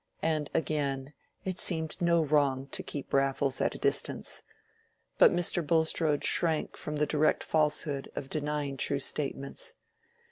And again: it seemed no wrong to keep Raffles at a distance, but Mr. Bulstrode shrank from the direct falsehood of denying true statements.